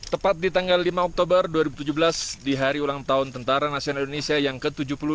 tepat di tanggal lima oktober dua ribu tujuh belas di hari ulang tahun tentara nasional indonesia yang ke tujuh puluh dua